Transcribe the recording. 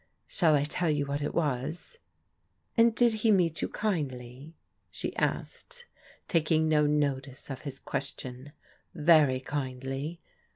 " Shall I tell you what it was ?" "And did he meet you kindly?" she asked, taking no notice of his question. " Very kindly.